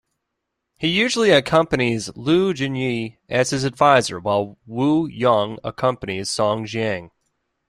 He usually accompanies Lu Junyi as his advisor while Wu Yong accompanies Song Jiang.